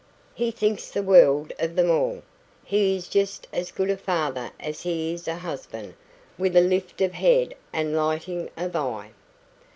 He thinks the world of them all. He is just as good a father as he is a husband," with a lift of head and lighting of eye.